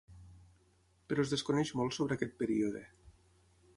Però es desconeix molt sobre aquest període.